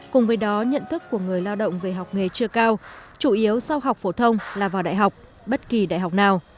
cùng với đó nhận thức của người lao động về học nghề chưa cao chủ yếu sau học phổ thông là vào đại học bất kỳ đại học nào